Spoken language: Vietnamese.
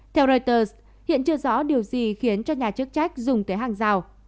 theo reuters hiện chưa rõ điều gì khiến cho nhà chức trách dùng tới hàng rào